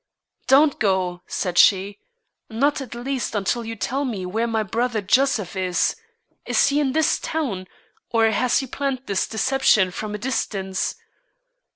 "Don't go," said she; "not at least until you tell me where my brother Joseph is. Is he in this town, or has he planned this deception from a distance?